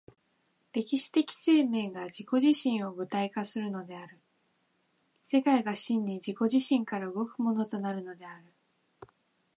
歴史的生命が自己自身を具体化するのである、世界が真に自己自身から動くものとなるのである。